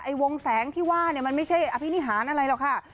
วงแสงที่ว่าเนี่ยมันไม่ใช่อภินิหารอะไรหรอกค่ะ